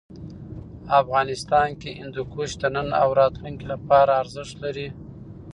افغانستان کې هندوکش د نن او راتلونکي لپاره ارزښت لري.